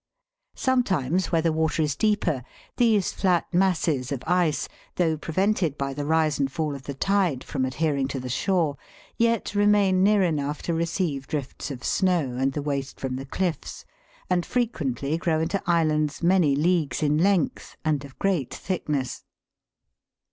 Sometimes, where the water is deeper, these flat masses of ice, though prevented by the rise and fall of the tide from adhering to the shore, yet remain near enough to receive drifts of snow and the waste from the cliffs, and frequently grow into islands many leagues in length and of great thickness.